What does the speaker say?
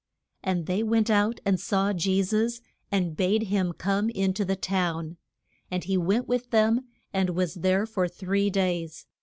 And they went out and saw Je sus, and bade him come in to the town. And he went with them, and was there for three days.